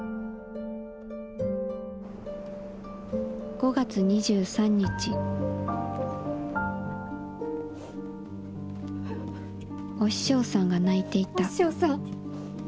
「５月２３日お師匠さんが泣いていた」。